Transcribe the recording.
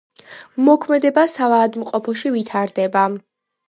მოქმედება საავადმყოფოში ვითარდება.